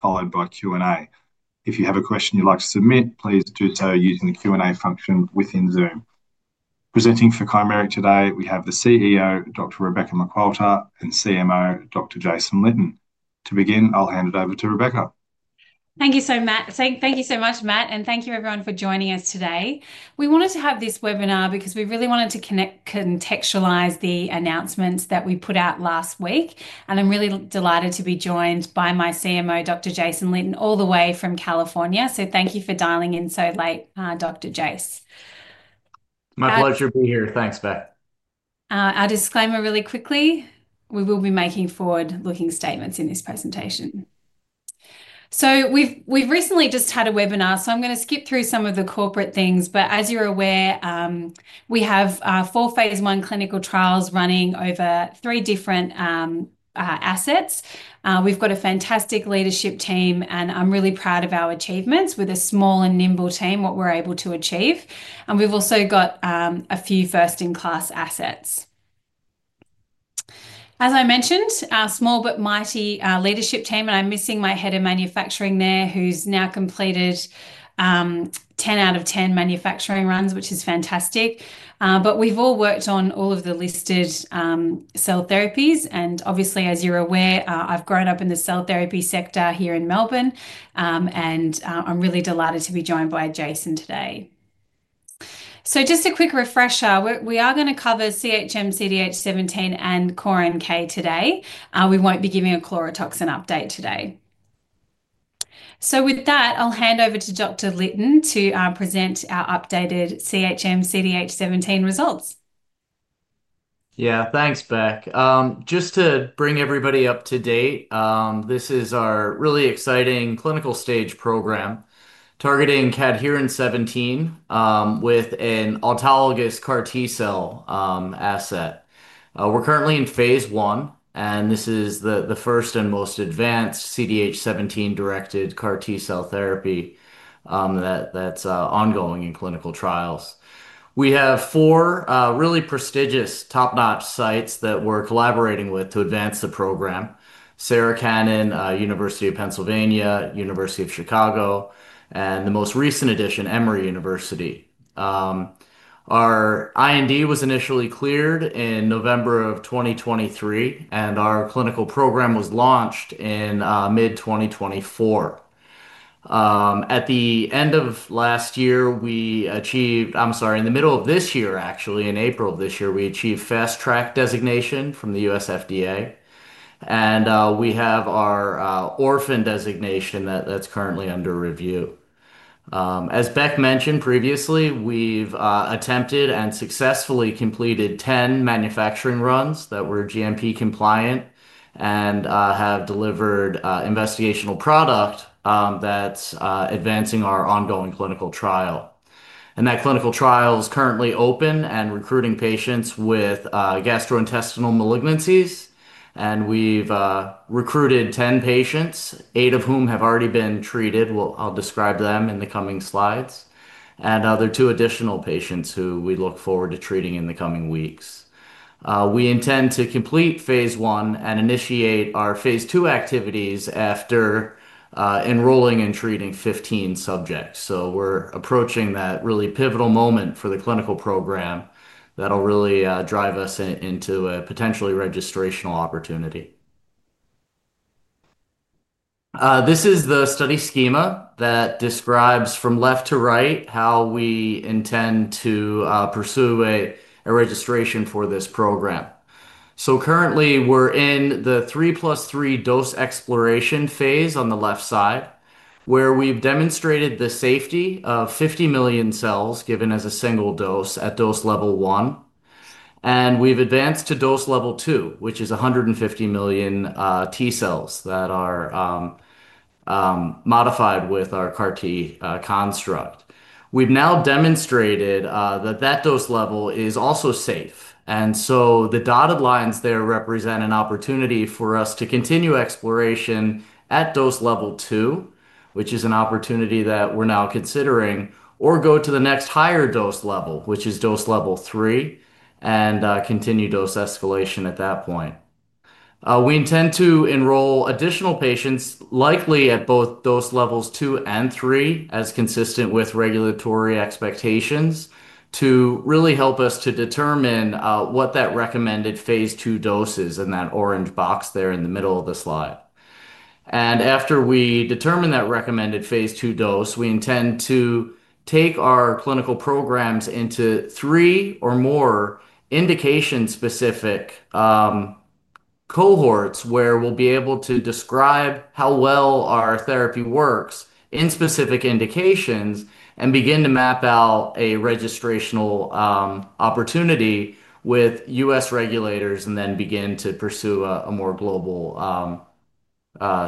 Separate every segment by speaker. Speaker 1: Followed by Q&A. If you have a question you'd like to submit, please do so using the Q&A function within Zoom. Presenting for Chimeric today, we have the CEO, Dr. Rebecca McQualter, and CMO, Dr. Jason Litten. To begin, I'll hand it over to Rebecca.
Speaker 2: Thank you so much, Matt, and thank you everyone for joining us today. We wanted to have this webinar because we really wanted to connect, contextualize the announcements that we put out last week. I'm really delighted to be joined by my CMO, Dr. Jason Litten, all the way from California. Thank you for dialing in so late, Dr. Jason.
Speaker 3: My pleasure to be here. Thanks, Bec.
Speaker 2: A disclaimer really quickly. We will be making forward-looking statements in this presentation. We've recently just had a webinar, so I'm going to skip through some of the corporate things. As you're aware, we have four Phase 1 clinical trials running over three different assets. We've got a fantastic leadership team, and I'm really proud of our achievements with a small and nimble team, what we're able to achieve. We've also got a few first-in-class assets. As I mentioned, a small but mighty leadership team, and I'm missing my Head of Manufacturing there, who's now completed 10/10 manufacturing runs, which is fantastic. We've all worked on all of the listed cell therapies. Obviously, as you're aware, I've grown up in the cell therapy sector here in Melbourne. I'm really delighted to be joined by Jason today. Just a quick refresher, we are going to cover CHM CDH17 and CHM CORN-K today. We won't be giving a chlorotoxin update today. With that, I'll hand over to Dr. Litten to present our updated CHM CDH17 results.
Speaker 3: Yeah, thanks, Bec. Just to bring everybody up to date, this is our really exciting clinical stage program targeting CDH17 with an autologous CAR-T cell asset. We're currently in Phase 1, and this is the first and most advanced CDH17 directed CAR-T cell therapy that's ongoing in clinical trials. We have four really prestigious, top-notch sites that we're collaborating with to advance the program: Sarah Cannon, University of Pennsylvania, University of Chicago, and the most recent addition, Emory University. Our IND was initially cleared in November 2023, and our clinical program was launched in mid-2024. At the end of last year, we achieved, I'm sorry, in the middle of this year, actually, in April of this year, we achieved fast track designation from the U.S. FDA. We have our orphan designation that's currently under review. As Beth mentioned previously, we've attempted and successfully completed 10 manufacturing runs that were GMP compliant and have delivered an investigational product that's advancing our ongoing clinical trial. That clinical trial is currently open and recruiting patients with gastrointestinal malignancies. We've recruited 10 patients, eight of whom have already been treated. I'll describe them in the coming slides. There are two additional patients who we look forward to treating in the coming weeks. We intend to complete Phase 1 and initiate our Phase 2 activities after enrolling and treating 15 subjects. We're approaching that really pivotal moment for the clinical program that'll really drive us into a potentially registrational opportunity. This is the study schema that describes from left to right how we intend to pursue a registration for this program. Currently, we're in the 3+3 Dose Exploration Phase on the left side, where we've demonstrated the safety of 50 million cells given as a single dose at dose level 1. We've advanced to dose level 2, which is 150 million T cells that are modified with our CAR-T construct. We've now demonstrated that that dose level is also safe. The dotted lines there represent an opportunity for us to continue exploration at dose level 2, which is an opportunity that we're now considering, or go to the next higher dose level, which is dose level 3, and continue dose escalation at that point. We intend to enroll additional patients likely at both dose levels two and three, as consistent with regulatory expectations, to really help us to determine what that recommended Phase 2 dose is in that orange box there in the middle of the slide. After we determine that recommended Phase 2 dose, we intend to take our clinical programs into three or more indication-specific cohorts where we'll be able to describe how well our therapy works in specific indications and begin to map out a registrational opportunity with U.S. regulators and then begin to pursue a more global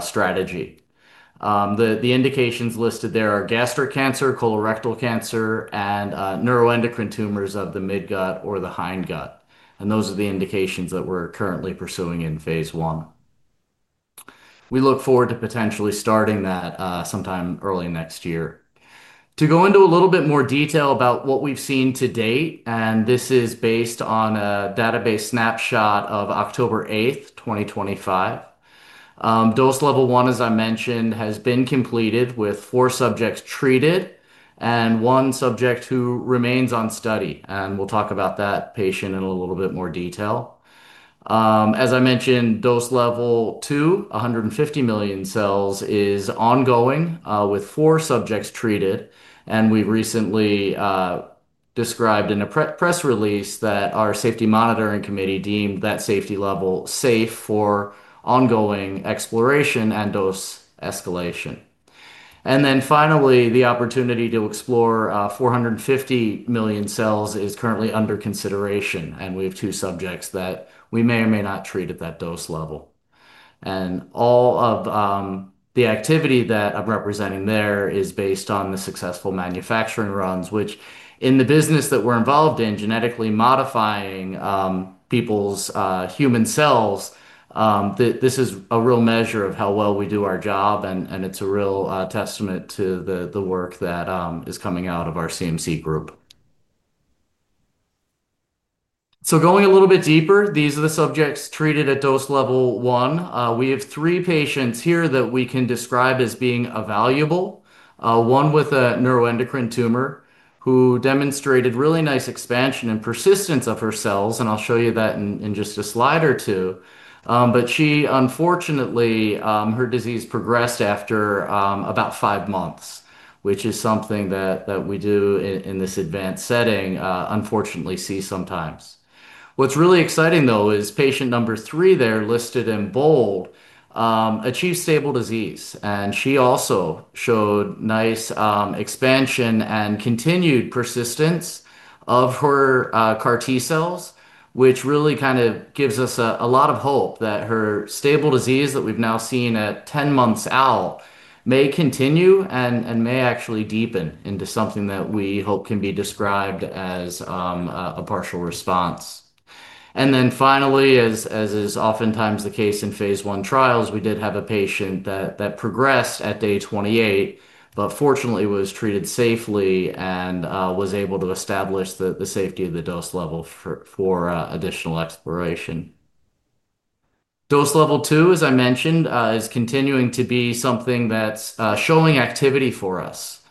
Speaker 3: strategy. The indications listed there are gastric cancer, colorectal cancer, and neuroendocrine tumors of the mid gut or the hind gut. Those are the indications that we're currently pursuing in Phase 1. We look forward to potentially starting that sometime early next year. To go into a little bit more detail about what we've seen to date, and this is based on a database snapshot of October 8, 2025. Dose level 1, as I mentioned, has been completed with four subjects treated and one subject who remains on study. We'll talk about that patient in a little bit more detail. As I mentioned, Dose level 2, 150 million cells, is ongoing with four subjects treated. We recently described in a press release that our safety monitoring committee deemed that safety level safe for ongoing exploration and dose escalation. The opportunity to explore 450 million cells is currently under consideration. We have two subjects that we may or may not treat at that dose level. All of the activity that I'm representing there is based on the successful manufacturing runs, which in the business that we're involved in, genetically modifying people's human cells, this is a real measure of how well we do our job. It's a real testament to the work that is coming out of our CMC group. Going a little bit deeper, these are the subjects treated at Dose level one. We have three patients here that we can describe as being valuable. One with a neuroendocrine tumor who demonstrated really nice expansion and persistence of her cells. I'll show you that in just a slide or two. She, unfortunately, her disease progressed after about five months, which is something that we do in this advanced setting, unfortunately, see sometimes. What's really exciting, though, is patient number three there listed in bold achieved stable disease. She also showed nice expansion and continued persistence of her CAR-T cells, which really kind of gives us a lot of hope that her stable disease that we've now seen at 10 months out may continue and may actually deepen into something that we hope can be described as a partial response. Finally, as is oftentimes the case in Phase 1 trials, we did have a patient that progressed at day 28, but fortunately was treated safely and was able to establish the safety of the Dose level for additional exploration. Dose level two, as I mentioned, is continuing to be something that's showing activity for us.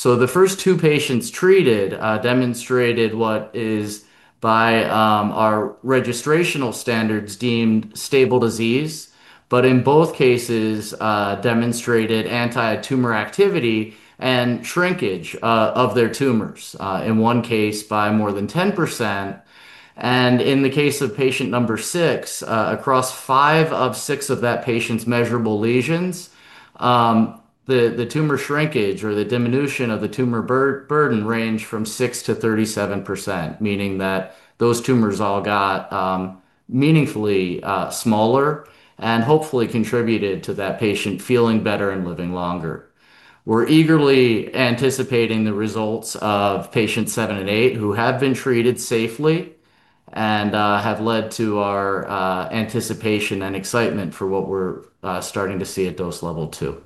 Speaker 3: The first two patients treated demonstrated what is, by our registrational standards, deemed stable disease, but in both cases demonstrated anti-tumor activity and shrinkage of their tumors, in one case by more than 10%. In the case of patient number six, across five of six of that patient's measurable lesions, the tumor shrinkage or the diminution of the tumor burden ranged from 6%-37%, meaning that those tumors all got meaningfully smaller and hopefully contributed to that patient feeling better and living longer. We're eagerly anticipating the results of patients seven and eight who have been treated safely and have led to our anticipation and excitement for what we're starting to see at Dose level two.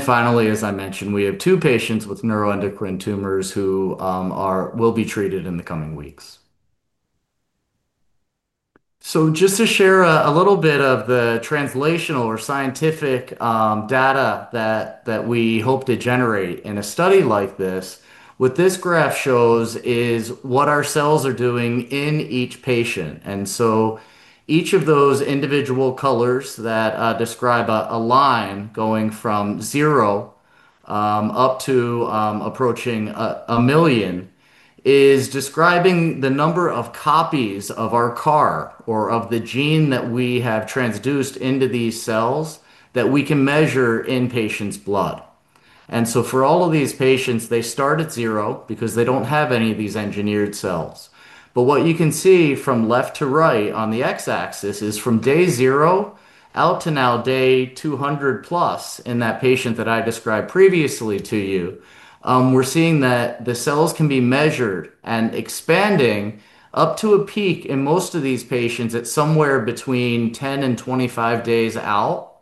Speaker 3: Finally, as I mentioned, we have two patients with neuroendocrine tumors who will be treated in the coming weeks. Just to share a little bit of the translational or scientific data that we hope to generate in a study like this, what this graph shows is what our cells are doing in each patient. Each of those individual colors that describe a line going from zero up to approaching a million is describing the number of copies of our CAR or of the gene that we have transduced into these cells that we can measure in patients' blood. For all of these patients, they start at zero because they don't have any of these engineered cells. What you can see from left to right on the x-axis is from day zero out to now day 200+ in that patient that I described previously to you, we're seeing that the cells can be measured and expanding up to a peak in most of these patients at somewhere between 10 days and 25 days out,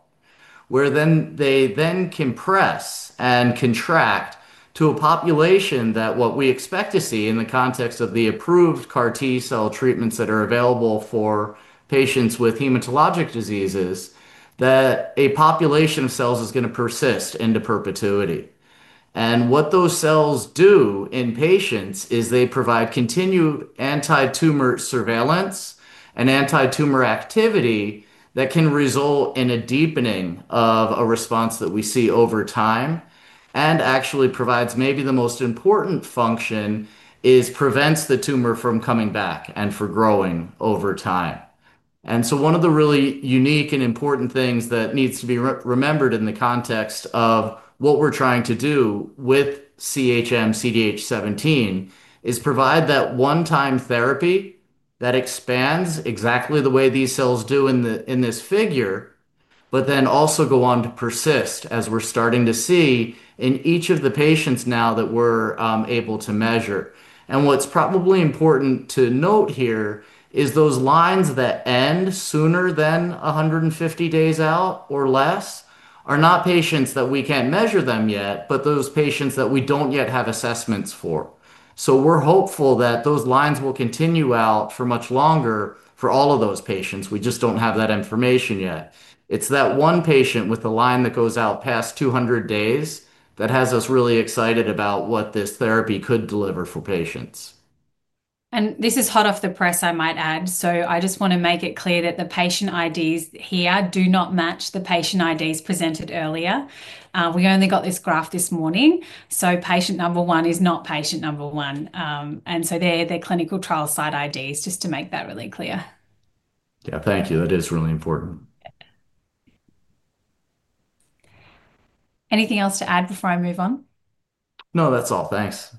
Speaker 3: where they then compress and contract to a population that we expect to see in the context of the approved CAR-T cell treatments that are available for patients with hematologic diseases, that a population of cells is going to persist into perpetuity. What those cells do in patients is they provide continued anti-tumor surveillance and anti-tumor activity that can result in a deepening of a response that we see over time. It actually provides maybe the most important function, which is preventing the tumor from coming back and from growing over time. One of the really unique and important things that needs to be remembered in the context of what we're trying to do with CHM CDH17 is provide that one-time therapy that expands exactly the way these cells do in this figure, but then also go on to persist as we're starting to see in each of the patients now that we're able to measure. What's probably important to note here is those lines that end sooner than 150 days out or less are not patients that we can't measure yet, but those patients that we don't yet have assessments for. We're hopeful that those lines will continue out for much longer for all of those patients. We just don't have that information yet. It's that one patient with the line that goes out past 200 days that has us really excited about what this therapy could deliver for patients.
Speaker 2: This is hot off the press, I might add. I just want to make it clear that the patient IDs here do not match the patient IDs presented earlier. We only got this graph this morning. Patient number one is not patient number one, and they're clinical trial site IDs, just to make that really clear.
Speaker 3: Thank you. That is really important.
Speaker 2: Anything else to add before I move on?
Speaker 3: No, that's all. Thanks.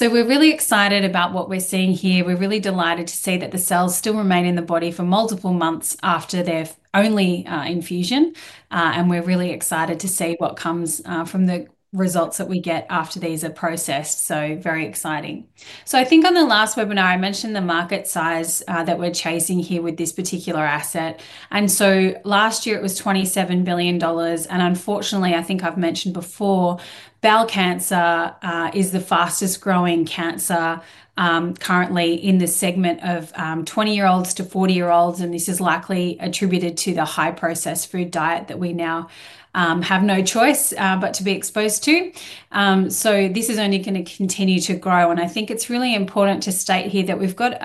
Speaker 2: Right. We're really excited about what we're seeing here. We're really delighted to see that the cells still remain in the body for multiple months after their only infusion. We're really excited to see what comes from the results that we get after these are processed. Very exciting. I think on the last webinar, I mentioned the market size that we're chasing here with this particular asset. Last year it was $27 billion. Unfortunately, I think I've mentioned before, bowel cancer is the fastest growing cancer currently in the segment of 20-year-olds to 40-year-olds. This is likely attributed to the high processed food diet that we now have no choice but to be exposed to. This is only going to continue to grow. I think it's really important to state here that we've got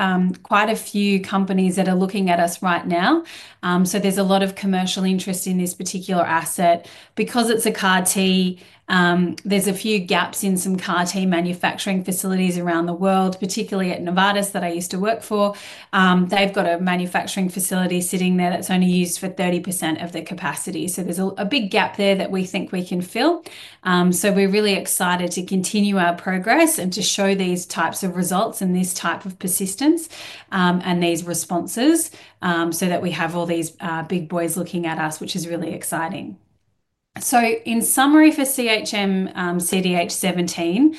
Speaker 2: quite a few companies that are looking at us right now. There's a lot of commercial interest in this particular asset. Because it's a CAR-T, there's a few gaps in some CAR-T manufacturing facilities around the world, particularly at Novartis that I used to work for. They've got a manufacturing facility sitting there that's only used for 30% of their capacity. There's a big gap there that we think we can fill. We're really excited to continue our progress and to show these types of results and this type of persistence and these responses so that we have all these big boys looking at us, which is really exciting. In summary, for CHM CDH17,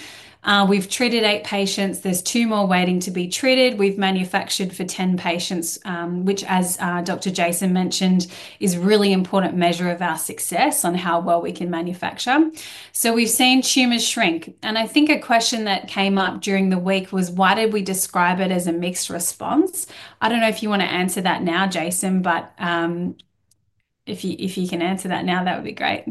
Speaker 2: we've treated eight patients. There are two more waiting to be treated. We've manufactured for 10 patients, which, as Dr. Jason Litten mentioned, is a really important measure of our success on how well we can manufacture. We've seen tumors shrink. I think a question that came up during the week was, why did we describe it as a mixed response? I don't know if you want to answer that now, Jason, but if you can answer that now, that would be great.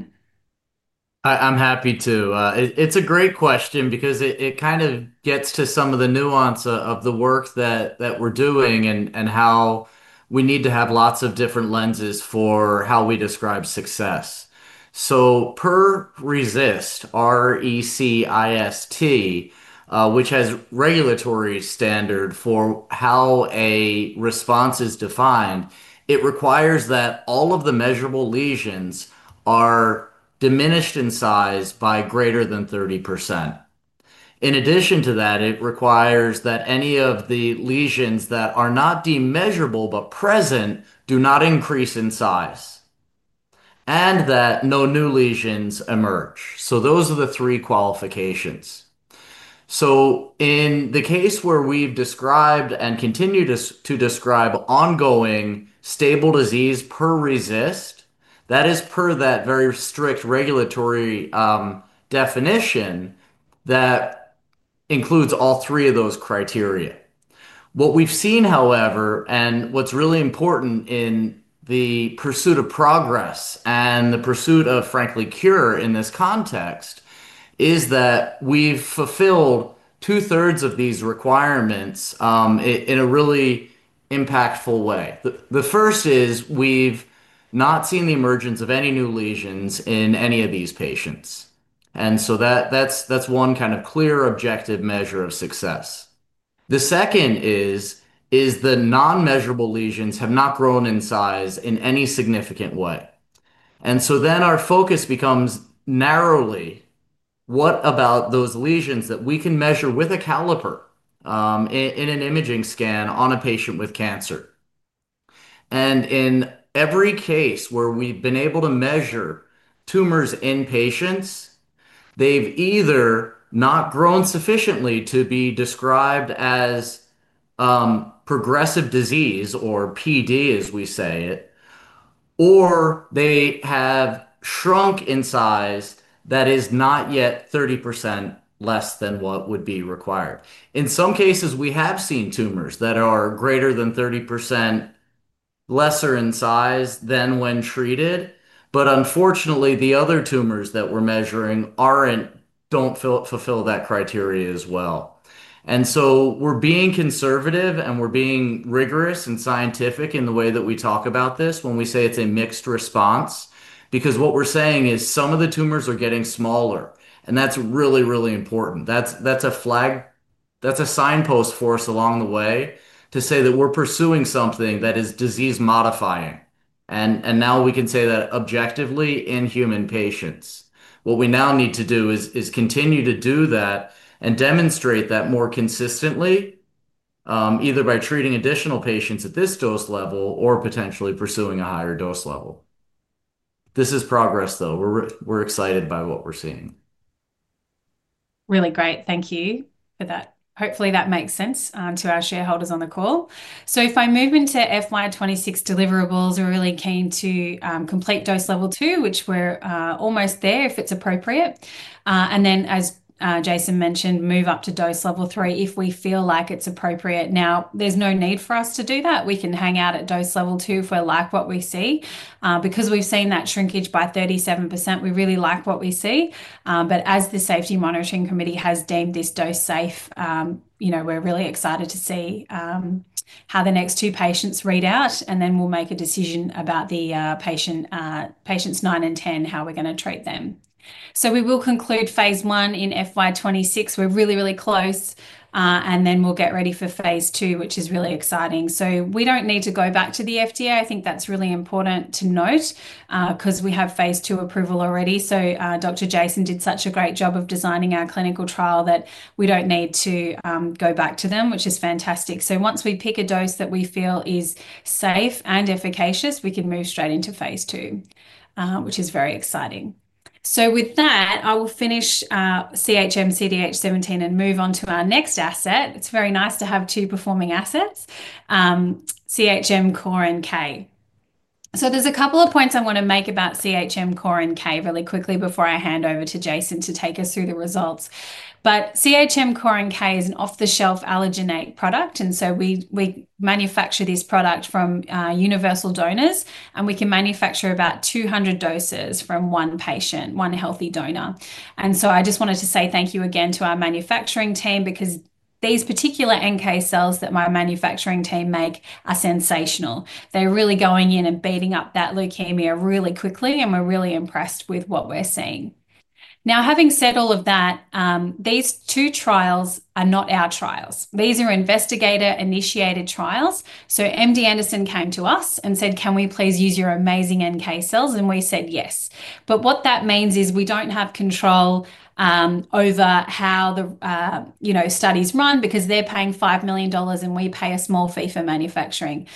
Speaker 3: I'm happy to. It's a great question because it kind of gets to some of the nuance of the work that we're doing and how we need to have lots of different lenses for how we describe success. Per RECIST, R-E-C-I-S-T, which has a regulatory standard for how a response is defined, it requires that all of the measurable lesions are diminished in size by greater than 30%. In addition to that, it requires that any of the lesions that are not measurable but present do not increase in size and that no new lesions emerge. Those are the three qualifications. In the case where we've described and continue to describe ongoing stable disease per RECIST, that is per that very strict regulatory definition that includes all three of those criteria. What we've seen, however, and what's really important in the pursuit of progress and the pursuit of, frankly, cure in this context is that we've fulfilled two-thirds of these requirements in a really impactful way. The first is we've not seen the emergence of any new lesions in any of these patients. That's one kind of clear objective measure of success. The second is the non-measurable lesions have not grown in size in any significant way. Our focus becomes narrowly, what about those lesions that we can measure with a caliper in an imaging scan on a patient with cancer? In every case where we've been able to measure tumors in patients, they've either not grown sufficiently to be described as progressive disease, or PD, as we say it, or they have shrunk in size that is not yet 30% less than what would be required. In some cases, we have seen tumors that are greater than 30% lesser in size than when treated. Unfortunately, the other tumors that we're measuring don't fulfill that criteria as well. We're being conservative and we're being rigorous and scientific in the way that we talk about this when we say it's a mixed response, because what we're saying is some of the tumors are getting smaller. That's really, really important. That's a signpost for us along the way to say that we're pursuing something that is disease modifying. Now we can say that objectively in human patients. What we now need to do is continue to do that and demonstrate that more consistently, either by treating additional patients at this dose level or potentially pursuing a higher dose level. This is progress, though. We're excited by what we're seeing.
Speaker 2: Really great. Thank you for that. Hopefully, that makes sense to our shareholders on the call. If I move into FY26 deliverables, we're really keen to complete Dose level two, which we're almost there if it's appropriate. As Dr. Jason Litten mentioned, move up to Dose level three if we feel like it's appropriate. There's no need for us to do that. We can hang out at Dose level two if we like what we see. Because we've seen that shrinkage by 37%, we really like what we see. As the Safety Monitoring Committee has deemed this dose safe, we're really excited to see how the next two patients read out. We'll make a decision about the patients nine and ten, how we're going to treat them. We will conclude Phase 1 in FY26. We're really, really close. We'll get ready for Phase 2, which is really exciting. We don't need to go back to the FDA. I think that's really important to note because we have Phase 2 approval already. Dr. Jason Litten did such a great job of designing our clinical trial that we don't need to go back to them, which is fantastic. Once we pick a dose that we feel is safe and efficacious, we can move straight into Phase 2, which is very exciting. With that, I will finish CHM CDH17 and move on to our next asset. It's very nice to have two performing assets, CHM CORN-K. There's a couple of points I want to make about CHM CORN-K really quickly before I hand over to Jason to take us through the results. CHM CORN-K is an off-the-shelf allogeneic product. We manufacture this product from universal donors. We can manufacture about 200 doses from one patient, one healthy donor. I just wanted to say thank you again to our manufacturing team because these particular NK cells that my manufacturing team makes are sensational. They're really going in and beating up that leukemia really quickly. We're really impressed with what we're seeing. Having said all of that, these two trials are not our trials. These are investigator-initiated trials. MD Anderson came to us and said, can we please use your amazing NK cells? We said yes. What that means is we don't have control over how the studies run because they're paying $5 million and we pay a small fee for manufacturing.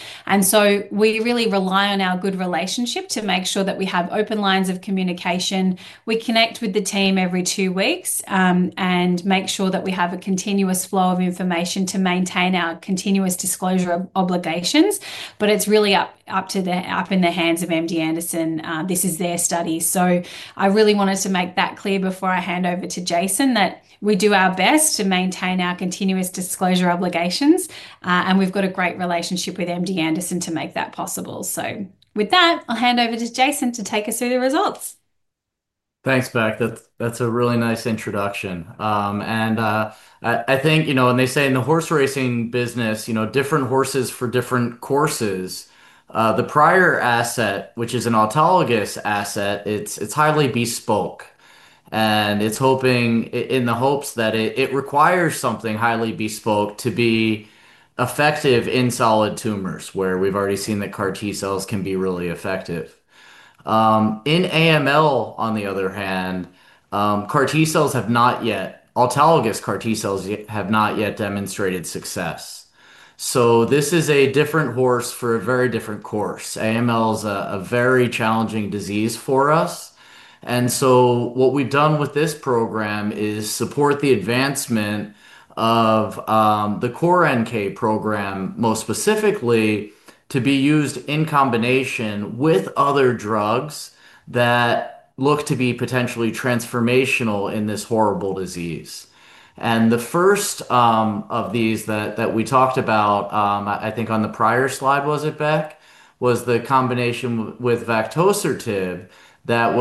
Speaker 2: We really rely on our good relationship to make sure that we have open lines of communication. We connect with the team every two weeks and make sure that we have a continuous flow of information to maintain our continuous disclosure obligations. It is really up in the hands of MD Anderson. This is their study. I really wanted to make that clear before I hand over to Jason that we do our best to maintain our continuous disclosure obligations. We've got a great relationship with MD Anderson to make that possible. With that, I'll hand over to Jason to take us through the results.
Speaker 3: Thanks, Bec. That's a really nice introduction. I think, you know, when they say in the horse racing business, you know, different horses for different courses, the prior asset, which is an autologous asset, it's highly bespoke. It's hoping in the hopes that it requires something highly bespoke to be effective in solid tumors, where we've already seen that CAR-T cells can be really effective. In AML, on the other hand, CAR-T cells have not yet, autologous CAR-T cells have not yet demonstrated success. This is a different horse for a very different course. AML is a very challenging disease for us. What we've done with this program is support the advancement of the CHM CORN-K program, most specifically to be used in combination with other drugs that look to be potentially transformational in this horrible disease. The first of these that we talked about, I think on the prior slide, was it, Beth, was the combination with Vactocertib that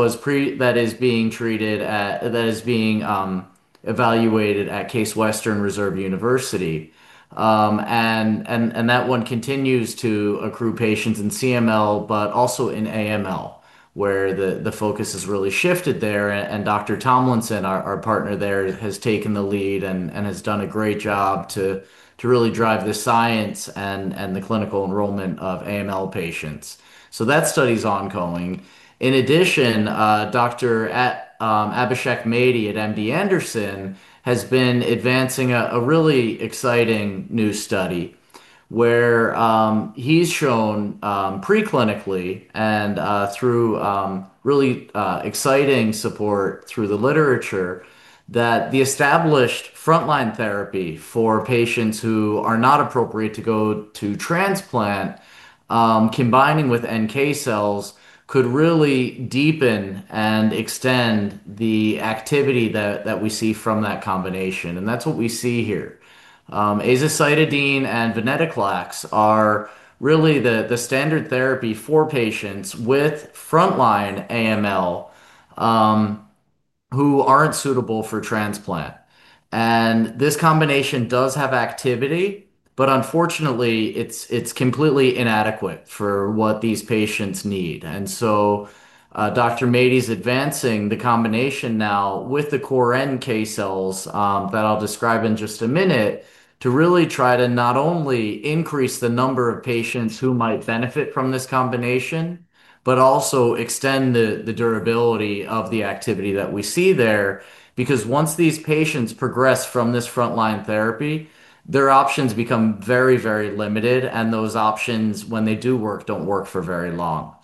Speaker 3: is being evaluated at Case Western Reserve University. That one continues to accrue patients in CML, but also in AML, where the focus has really shifted there. Dr. Tomlinson, our partner there, has taken the lead and has done a great job to really drive the science and the clinical enrollment of AML patients. That study is ongoing. In addition, Dr. Abhishek Maiti at MD Anderson has been advancing a really exciting new study where he's shown preclinically and through really exciting support through the literature that the established frontline therapy for patients who are not appropriate to go to transplant, combining with NK cells, could really deepen and extend the activity that we see from that combination. That's what we see here. Azacitidine and venetoclax are really the standard therapy for patients with frontline AML who aren't suitable for transplant. This combination does have activity, but unfortunately, it's completely inadequate for what these patients need. Dr. Maiti is advancing the combination now with the CORN-K cells that I'll describe in just a minute to really try to not only increase the number of patients who might benefit from this combination but also extend the durability of the activity that we see there. Once these patients progress from this frontline therapy, their options become very, very limited. Those options, when they do work, don't work for very long.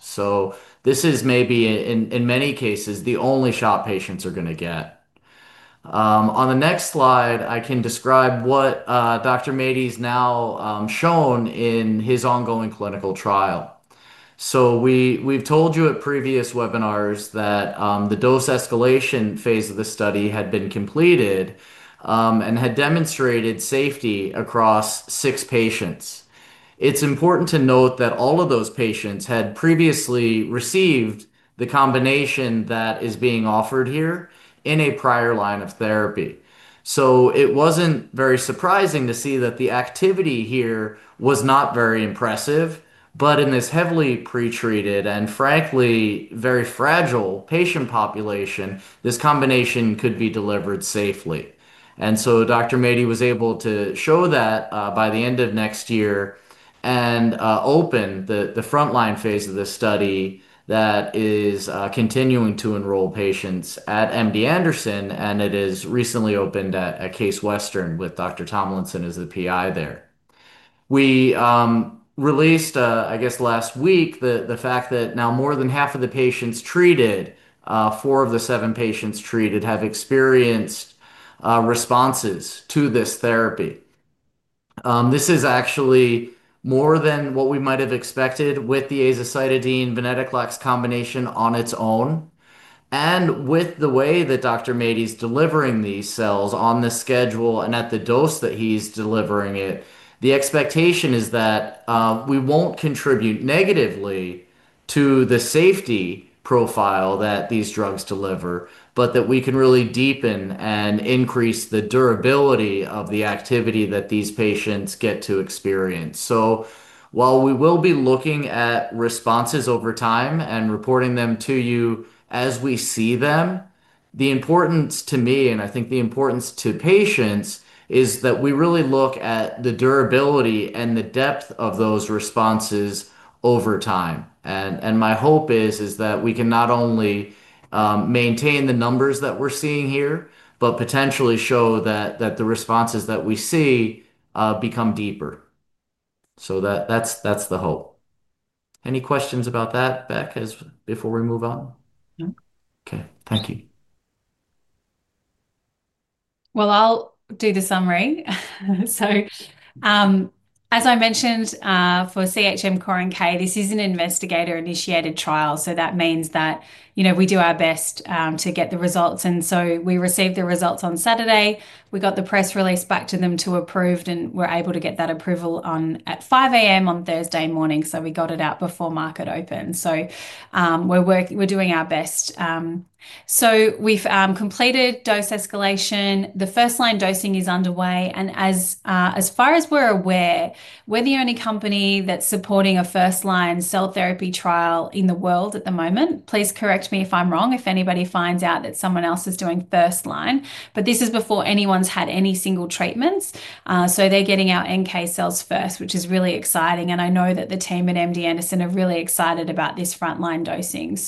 Speaker 3: This is maybe, in many cases, the only shot patients are going to get. On the next slide, I can describe what Dr. Maiti has now shown in his ongoing clinical trial. We've told you at previous webinars that the dose escalation Phase of the study had been completed and had demonstrated safety across six patients. It's important to note that all of those patients had previously received the combination that is being offered here in a prior line of therapy. It wasn't very surprising to see that the activity here was not very impressive. In this heavily pretreated and, frankly, very fragile patient population, this combination could be delivered safely. Dr. Maiti was able to show that by the end of next year and open the frontline Phase of this study that is continuing to enroll patients at MD Anderson. It has recently opened at Case Western Reserve University with Dr. Tomlinson as the PI there. We released last week the fact that now more than half of the patients treated, four of the seven patients treated, have experienced responses to this therapy. This is actually more than what we might have expected with the azacitidine-venetoclax combination on its own. With the way that Dr. Maiti is delivering these cells on the schedule and at the dose that he's delivering it, the expectation is that we won't contribute negatively to the safety profile that these drugs deliver, but that we can really deepen and increase the durability of the activity that these patients get to experience. We will be looking at responses over time and reporting them to you as we see them. The importance to me, and I think the importance to patients, is that we really look at the durability and the depth of those responses over time. My hope is that we can not only maintain the numbers that we're seeing here, but potentially show that the responses that we see become deeper. That's the hope. Any questions about that, Bec, before we move on?
Speaker 2: No.
Speaker 3: OKkay, thank you.
Speaker 2: I'll do the summary. As I mentioned, for CHM CORN-K, this is an investigator-initiated trial. That means that we do our best to get the results. We received the results on Saturday. We got the press release back to them to approve, and we were able to get that approval at 5:00 A.M. on Thursday morning. We got it out before market open. We're doing our best. We've completed dose escalation. The first-line dosing is underway. As far as we're aware, we're the only company that's supporting a first-line cell therapy trial in the world at the moment. Please correct me if I'm wrong if anybody finds out that someone else is doing first-line. This is before anyone's had any single treatments. They're getting our NK cells first, which is really exciting. I know that the team at MD Anderson are really excited about this front-line dosing.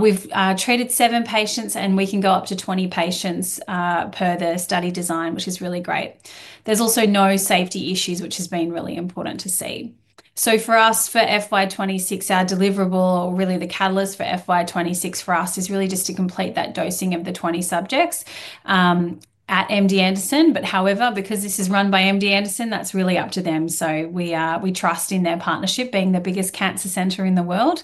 Speaker 2: We've treated seven patients, and we can go up to 20 patients per the study design, which is really great. There's also no safety issues, which has been really important to see. For us, for FY26, our deliverable, really the catalyst for FY26 for us is just to complete that dosing of the 20 subjects at MD Anderson. However, because this is run by MD Anderson, that's really up to them. We trust in their partnership, being the biggest cancer center in the world.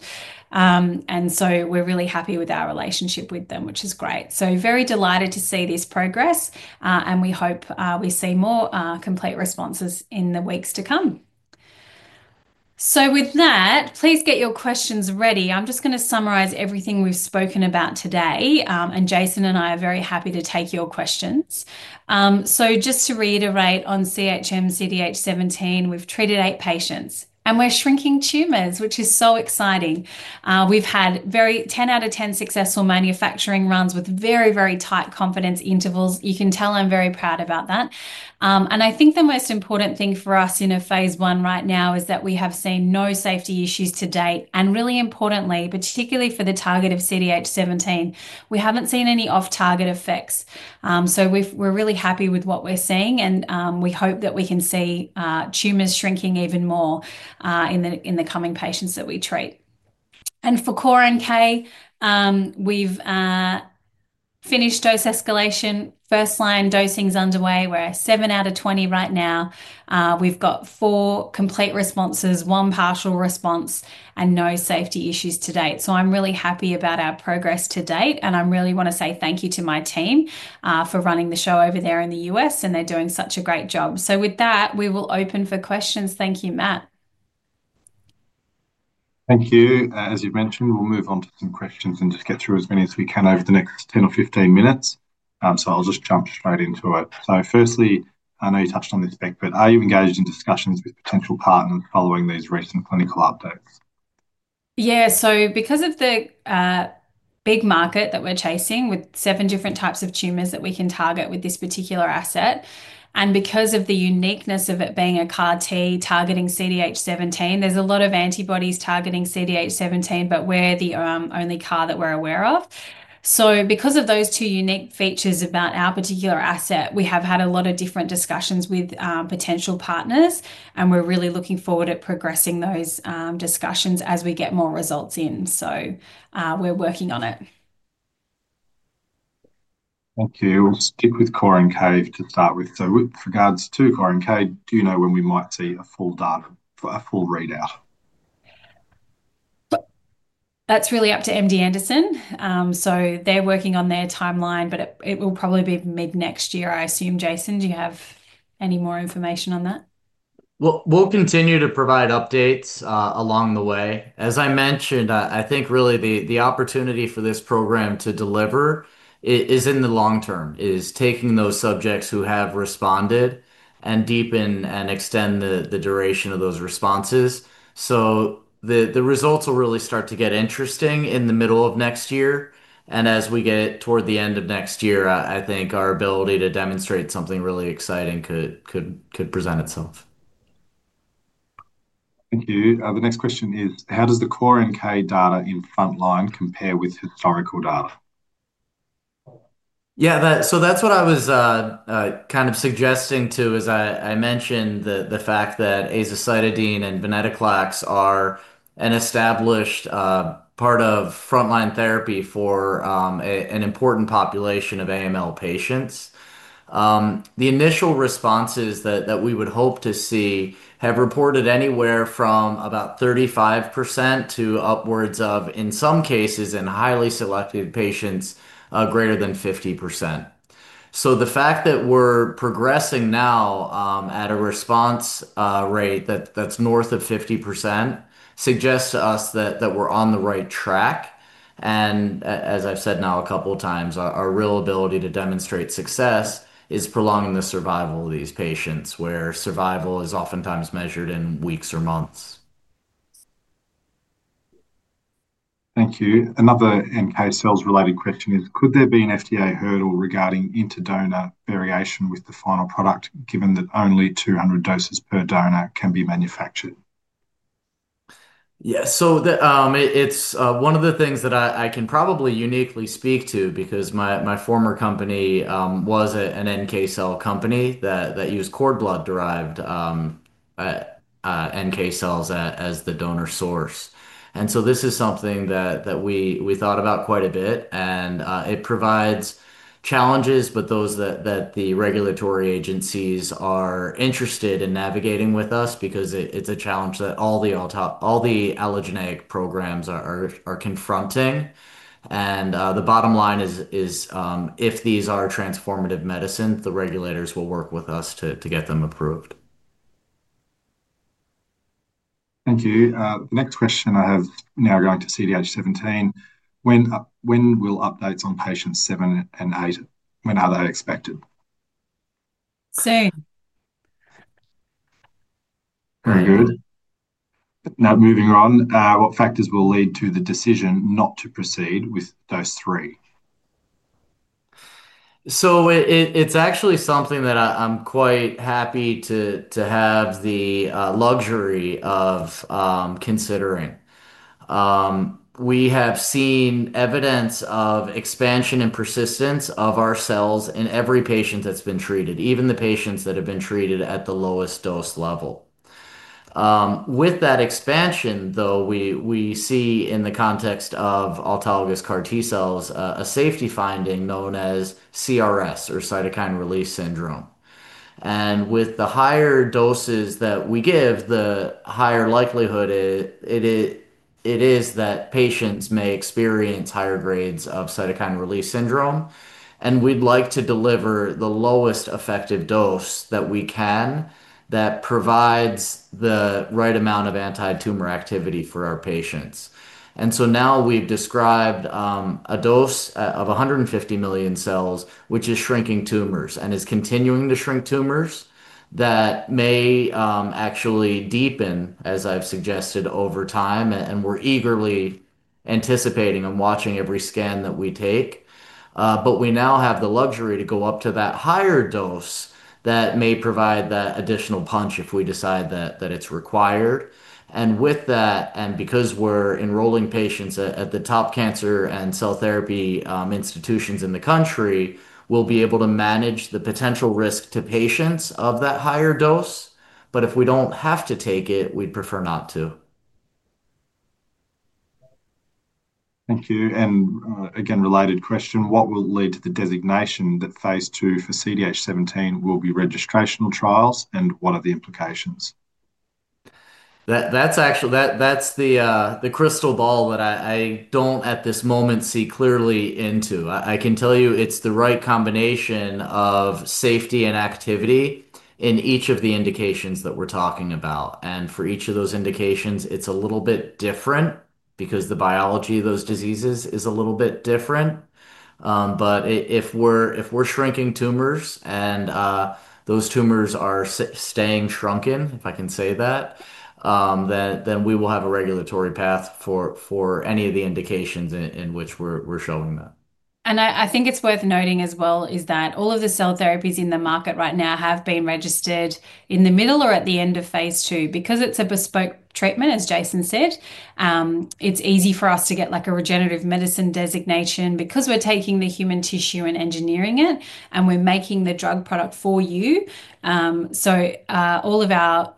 Speaker 2: We're really happy with our relationship with them, which is great. Very delighted to see this progress, and we hope we see more complete responses in the weeks to come. Please get your questions ready. I'm just going to summarize everything we've spoken about today, and Jason and I are very happy to take your questions. Just to reiterate on CHM CDH17, we've treated eight patients, and we're shrinking tumors, which is so exciting. We've had very 10/10 successful manufacturing runs with very, very tight confidence intervals. You can tell I'm very proud about that. I think the most important thing for us in a Phase 1 right now is that we have seen no safety issues to date. Really importantly, particularly for the target of CDH17, we haven't seen any off-target effects. We're really happy with what we're seeing, and we hope that we can see tumors shrinking even more in the coming patients that we treat. For CORN-K, we've finished dose escalation. First-line dosing is underway. We're at 7/20 right now. We've got four complete responses, one partial response, and no safety issues to date. I'm really happy about our progress to date, and I really want to say thank you to my team for running the show over there in the U.S., and they're doing such a great job. With that, we will open for questions. Thank you, Matt.
Speaker 1: Thank you. As you mentioned, we'll move on to some questions and get through as many as we can over the next 10 minutes or 15 minutes. I'll just jump straight into it. Firstly, I know you touched on this, Bec, but are you engaged in discussions with potential partners following these recent clinical updates?
Speaker 2: Yeah, so because of the big market that we're chasing with seven different types of tumors that we can target with this particular asset, and because of the uniqueness of it being a CAR-T targeting CDH17, there's a lot of antibodies targeting CDH17, but we're the only CAR-That we're aware of. Because of those two unique features about our particular asset, we have had a lot of different discussions with potential partners. We're really looking forward to progressing those discussions as we get more results in. We're working on it.
Speaker 1: OK, we'll stick with CORN-K to start with. With regards to CORN-K, do you know when we might see a full data, a full readout?
Speaker 2: That's really up to MD Anderson. They're working on their timeline, but it will probably be mid next year, I assume. Jason, do you have any more information on that?
Speaker 3: We'll continue to provide updates along the way. As I mentioned, I think really the opportunity for this program to deliver is in the long term, taking those subjects who have responded and deepen and extend the duration of those responses. The results will really start to get interesting in the middle of next year. As we get toward the end of next year, I think our ability to demonstrate something really exciting could present itself.
Speaker 1: Thank you. The next question is, how does the CORN-K data in frontline compare with historical data?
Speaker 3: That's what I was kind of suggesting too, as I mentioned the fact that azacitidine and venetoclax are an established part of frontline therapy for an important population of AML patients. The initial responses that we would hope to see have reported anywhere from about 35% to upwards of, in some cases, in highly selective patients, greater than 50%. The fact that we're progressing now at a response rate that's north of 50% suggests to us that we're on the right track. As I've said now a couple of times, our real ability to demonstrate success is prolonging the survival of these patients, where survival is oftentimes measured in weeks or months.
Speaker 1: Thank you. Another NK cells related question is, could there be an FDA hurdle regarding inter-donor variation with the final product, given that only 200 doses per donor can be manufactured?
Speaker 3: Yeah, so it's one of the things that I can probably uniquely speak to because my former company was an NK cell company that used cord blood-derived NK cells as the donor source. This is something that we thought about quite a bit. It provides challenges, but those that the regulatory agencies are interested in navigating with us because it's a challenge that all the allogeneic programs are confronting. The bottom line is if these are transformative medicine, the regulators will work with us to get them approved.
Speaker 1: Thank you. Next question, I have now going to CDH17. When will updates on patients seven and eight, when are they expected?
Speaker 2: Same.
Speaker 1: Very good. Now, moving on, what factors will lead to the decision not to proceed with those three?
Speaker 3: It's actually something that I'm quite happy to have the luxury of considering. We have seen evidence of expansion and persistence of our cells in every patient that's been treated, even the patients that have been treated at the lowest dose level. With that expansion, we see in the context of autologous CAR-T cells a safety finding known as CRS, or cytokine release syndrome. With the higher doses that we give, the higher likelihood it is that patients may experience higher grades of cytokine release syndrome. We'd like to deliver the lowest effective dose that we can that provides the right amount of anti-tumor activity for our patients. We have described a dose of 150 million cells, which is shrinking tumors and is continuing to shrink tumors that may actually deepen, as I've suggested, over time. We're eagerly anticipating and watching every scan that we take. We now have the luxury to go up to that higher dose that may provide that additional punch if we decide that it's required. Because we're enrolling patients at the top cancer and cell therapy institutions in the country, we'll be able to manage the potential risk to patients of that higher dose. If we don't have to take it, we'd prefer not to.
Speaker 1: Thank you. Again, related question, what will lead to the designation that Phase 2 for CDH17 will be registrational trials? What are the implications?
Speaker 3: That's the crystal ball that I don't, at this moment, see clearly into. I can tell you it's the right combination of safety and activity in each of the indications that we're talking about. For each of those indications, it's a little bit different because the biology of those diseases is a little bit different. If we're shrinking tumors and those tumors are staying shrunken, if I can say that, then we will have a regulatory path for any of the indications in which we're showing that.
Speaker 2: I think it's worth noting as well that all of the cell therapies in the market right now have been registered in the middle or at the end of Phase 2. Because it's a bespoke treatment, as Jason said, it's easy for us to get like a regenerative medicine designation because we're taking the human tissue and engineering it. We're making the drug product for you. All of our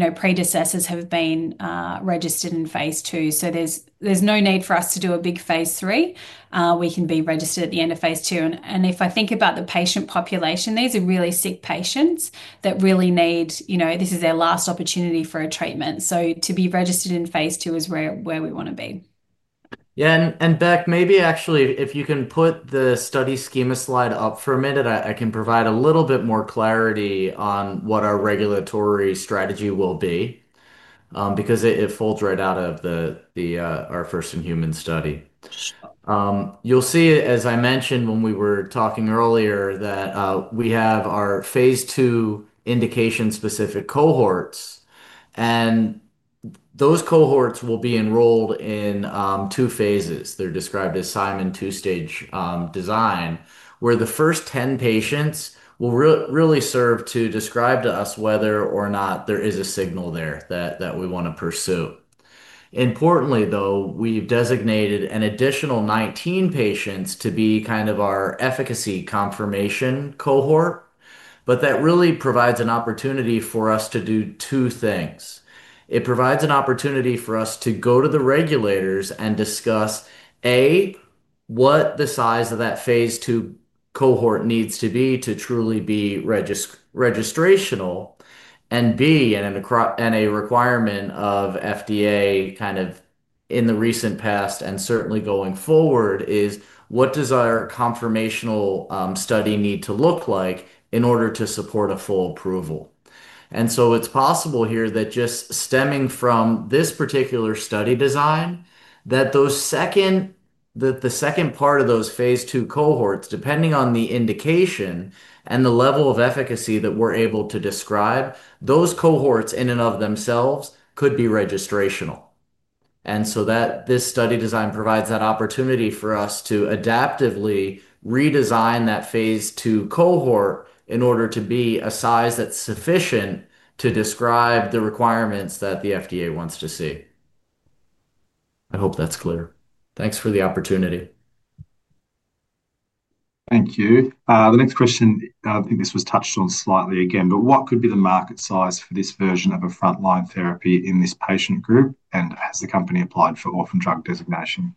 Speaker 2: predecessors have been registered in Phase 2. There's no need for us to do a big Phase 3. We can be registered at the end of Phase 2. If I think about the patient population, these are really sick patients that really need, you know, this is their last opportunity for a treatment. To be registered in Phase 2 is where we want to be.
Speaker 3: Yeah, and Bec, maybe actually, if you can put the study schema slide up for a minute, I can provide a little bit more clarity on what our regulatory strategy will be because it folds right out of our first in human study. You'll see, as I mentioned when we were talking earlier, that we have our Phase 2 indication-specific cohorts. Those cohorts will be enrolled in two Phases. They're described as Simon two-stage design, where the first 10 patients will really serve to describe to us whether or not there is a signal there that we want to pursue. Importantly, though, we've designated an additional 19 patients to be kind of our efficacy confirmation cohort. That really provides an opportunity for us to do two things. It provides an opportunity for us to go to the regulators and discuss, A, what the size of that Phase 2 cohort needs to be to truly be registrational, and B, and a requirement of FDA kind of in the recent past and certainly going forward is what does our confirmational study need to look like in order to support a full approval. It is possible here that just stemming from this particular study design, the second part of those Phase 2 cohorts, depending on the indication and the level of efficacy that we're able to describe, those cohorts in and of themselves could be registrational. This study design provides that opportunity for us to adaptively redesign that Phase 2 cohort in order to be a size that's sufficient to describe the requirements that the FDA wants to see. I hope that's clear. Thanks for the opportunity.
Speaker 1: Thank you. The next question, I think this was touched on slightly again, but what could be the market size for this version of a frontline therapy in this patient group? Has the company applied for orphan drug designation?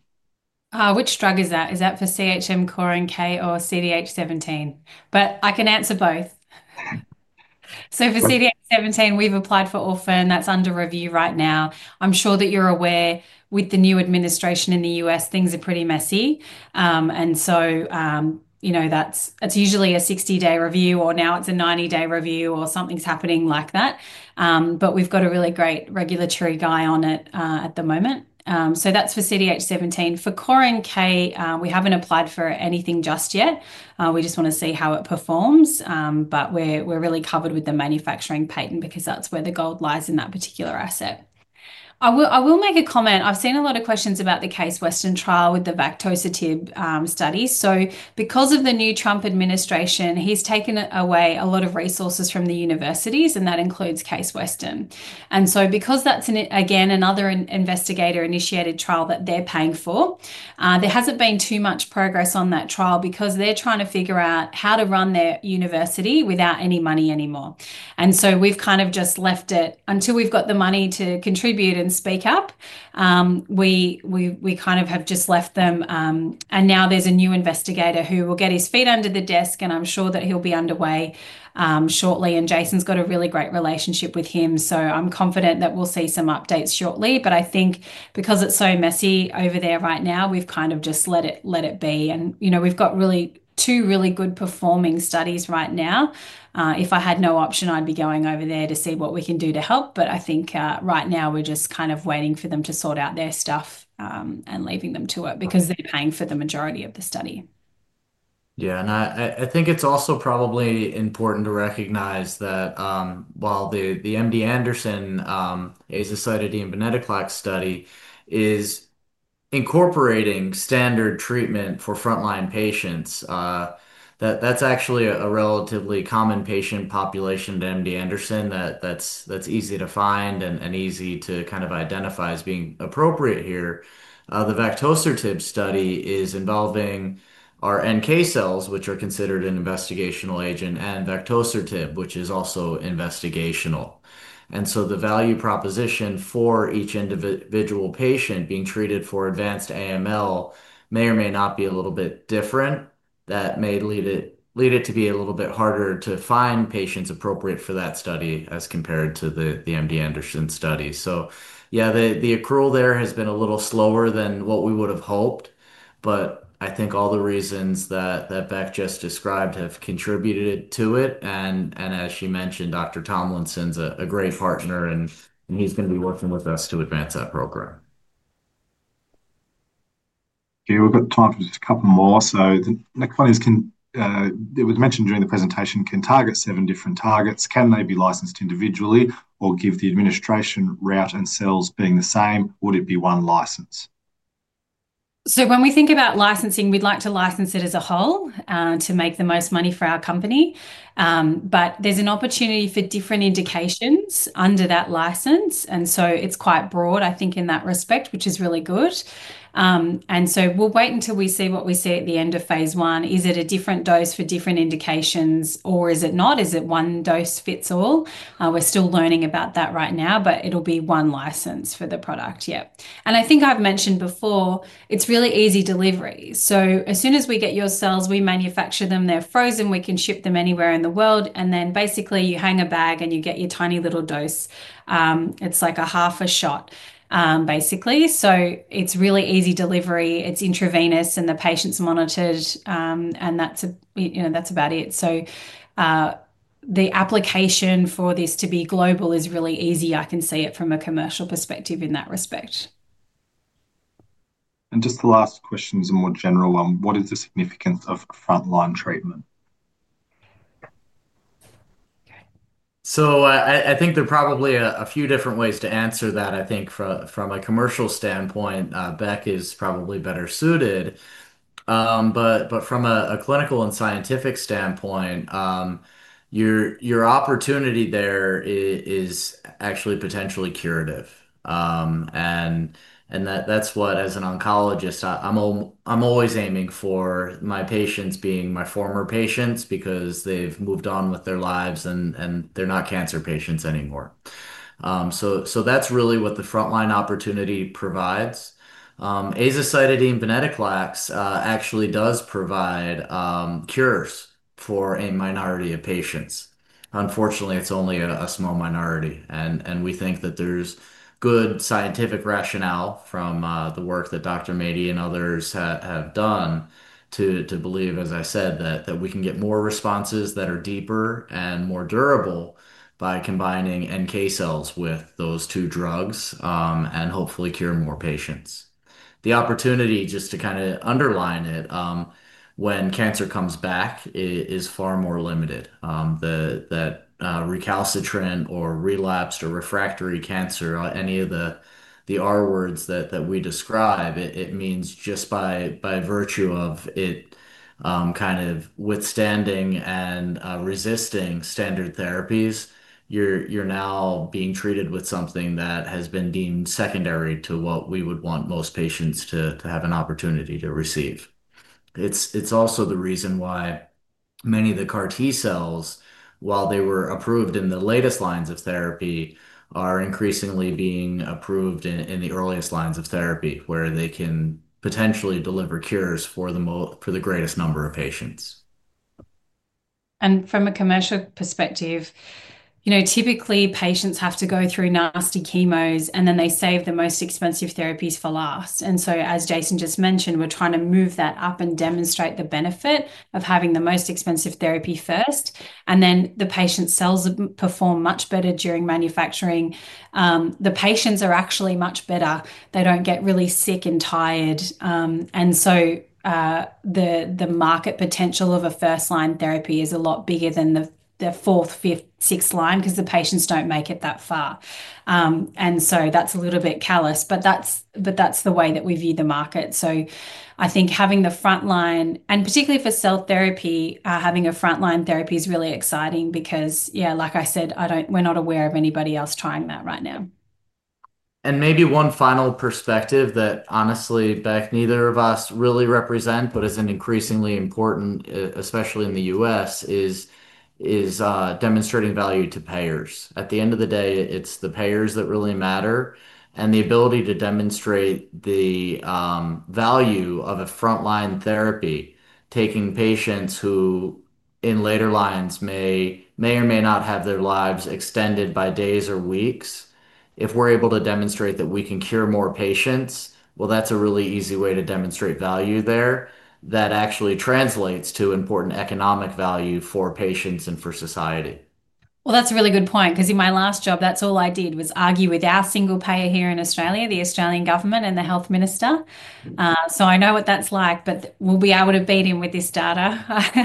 Speaker 2: Which drug is that? Is that for CHM CORN-K or CHM CDH17? I can answer both. For CHM CDH17, we've applied for orphan. That's under review right now. I'm sure that you're aware, with the new administration in the U.S., things are pretty messy. That's usually a 60-day review, or now it's a 90-day review, or something's happening like that. We've got a really great regulatory guy on it at the moment. That's for CDH17. For CORN-K, we haven't applied for anything just yet. We just want to see how it performs. We're really covered with the manufacturing patent because that's where the gold lies in that particular asset. I've seen a lot of questions about the Case Western Reserve University trial with the Vactocertib study. Because of the new Trump administration, he's taken away a lot of resources from the universities, and that includes Case Western Reserve University. Because that's, again, another investigator-initiated trial that they're paying for, there hasn't been too much progress on that trial because they're trying to figure out how to run their university without any money anymore. We've kind of just left it until we've got the money to contribute and speak up. We kind of have just left them. Now there's a new investigator who will get his feet under the desk. I'm sure that he'll be underway shortly. Jason's got a really great relationship with him. I'm confident that we'll see some updates shortly. I think because it's so messy over there right now, we've kind of just let it be. We've got two really good performing studies right now. If I had no option, I'd be going over there to see what we can do to help. I think right now we're just kind of waiting for them to sort out their stuff and leaving them to it because they're paying for the majority of the study.
Speaker 3: Yeah, and I think it's also probably important to recognize that while the MD Anderson azacitidine-venetoclax study is incorporating standard treatment for frontline patients, that's actually a relatively common patient population to MD Anderson. That's easy to find and easy to kind of identify as being appropriate here. The Vactocertib study is involving our NK cells, which are considered an investigational agent, and Vactocertib, which is also investigational. The value proposition for each individual patient being treated for advanced AML may or may not be a little bit different. That may lead it to be a little bit harder to find patients appropriate for that study as compared to the MD Anderson study. The accrual there has been a little slower than what we would have hoped. I think all the reasons that Beth just described have contributed to it. As she mentioned, Dr. Tomlinson is a great partner. He's going to be working with us to advance that program.
Speaker 1: Okay, we've got time for just a couple more. The clients can, it was mentioned during the presentation, can target seven different targets. Can they be licensed individually, or given the administration route and cells being the same, would it be one license?
Speaker 2: When we think about licensing, we'd like to license it as a whole to make the most money for our company. There's an opportunity for different indications under that license, so it's quite broad, I think, in that respect, which is really good. We'll wait until we see what we see at the end of Phase 1. Is it a different dose for different indications or is it not? Is it one dose fits all? We're still learning about that right now. It'll be one license for the product, yeah. I think I've mentioned before, it's really easy delivery. As soon as we get your cells, we manufacture them. They're frozen. We can ship them anywhere in the world. Basically, you hang a bag and you get your tiny little dose. It's like a half a shot, basically. It's really easy delivery. It's intravenous and the patient's monitored. That's about it. The application for this to be global is really easy. I can see it from a commercial perspective in that respect.
Speaker 1: The last question is a more general one. What is the significance of frontline treatment?
Speaker 3: I think there are probably a few different ways to answer that. I think from a commercial standpoint, Beth is probably better suited. From a clinical and scientific standpoint, your opportunity there is actually potentially curative. That's what, as an oncologist, I'm always aiming for my patients being my former patients because they've moved on with their lives and they're not cancer patients anymore. That's really what the frontline opportunity provides. Azacitidine-venetoclax actually does provide cures for a minority of patients. Unfortunately, it's only a small minority. We think that there's good scientific rationale from the work that Dr. Maiti and others have done to believe, as I said, that we can get more responses that are deeper and more durable by combining NK cells with those two drugs and hopefully cure more patients. The opportunity, just to kind of underline it, when cancer comes back, it is far more limited. That recalcitrant or relapsed or refractory cancer, any of the R words that we describe, it means just by virtue of it kind of withstanding and resisting standard therapies, you're now being treated with something that has been deemed secondary to what we would want most patients to have an opportunity to receive. It's also the reason why many of the CAR-T cells, while they were approved in the latest lines of therapy, are increasingly being approved in the earliest lines of therapy, where they can potentially deliver cures for the greatest number of patients.
Speaker 2: From a commercial perspective, you know, typically, patients have to go through nasty chemos. They save the most expensive therapies for last. As Jason just mentioned, we're trying to move that up and demonstrate the benefit of having the most expensive therapy first. The patient's cells perform much better during manufacturing. The patients are actually much better. They don't get really sick and tired. The market potential of a first-line therapy is a lot bigger than the fourth, fifth, sixth line because the patients don't make it that far. That's a little bit callous, but that's the way that we view the market. I think having the frontline, and particularly for cell therapy, having a frontline therapy is really exciting because, yeah, like I said, we're not aware of anybody else trying that right now.
Speaker 3: One final perspective that honestly, Bec neither of us really represent, but is increasingly important, especially in the U.S., is demonstrating value to payers. At the end of the day, it's the payers that really matter. The ability to demonstrate the value of a frontline therapy, taking patients who, in later lines, may or may not have their lives extended by days or weeks, if we're able to demonstrate that we can cure more patients, that's a really easy way to demonstrate value there that actually translates to important economic value for patients and for society.
Speaker 2: That's a really good point because in my last job, that's all I did was argue with our single payer here in Australia, the Australian government and the Health Minister. I know what that's like. We'll be able to beat him with this data.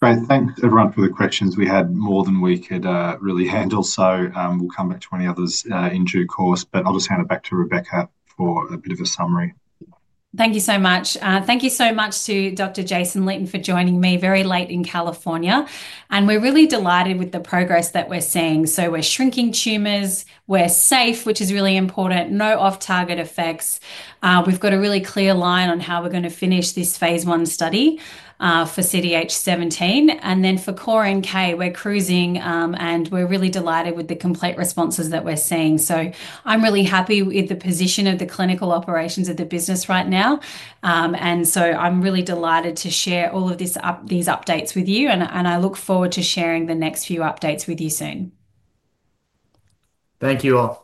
Speaker 1: Great. Thanks, everyone, for the questions. We had more than we could really handle. We'll come back to any others in due course. I'll just hand it back to Rebecca for a bit of a summary.
Speaker 2: Thank you so much. Thank you so much to Dr. Jason Litten for joining me very late in California. We're really delighted with the progress that we're seeing. We're shrinking tumors. We're safe, which is really important. No off-target effects. We've got a really clear line on how we're going to finish this Phase 1 study for CDH17. For CORN-K, we're cruising. We're really delighted with the complete responses that we're seeing. I'm really happy with the position of the clinical operations of the business right now. I'm really delighted to share all of these updates with you. I look forward to sharing the next few updates with you soon.
Speaker 3: Thank you all.